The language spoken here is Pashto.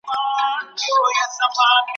موږ خو هیڅ لیدلي نه دي هر څه ولیدل یزدان `